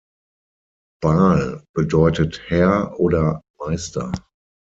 Baal bedeutet „Herr“ oder „Meister“.